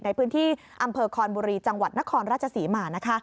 ในพื้นที่อำเภอคอนบุรีจังหวัดนครราชศรีมา